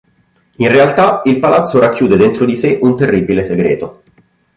In realtà, il palazzo racchiude dentro di sé un terribile segreto.